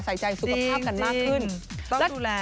ใส่ใจสุขภาพกันมากขึ้นจริงต้องดูแล